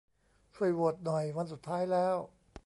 ช่วยโหวตหน่อย วันสุดท้ายแล้ว